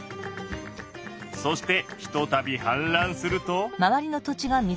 そしてひとたびはんらんすると。